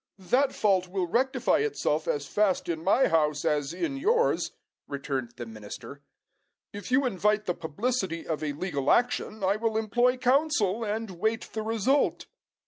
"That fault will rectify itself as fast in my house as in yours," returned the minister. "If you invite the publicity of a legal action, I will employ counsel, and wait the result."